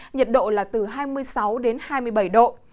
nhiệt độ là từ hai mươi sáu đến hai mươi bảy độ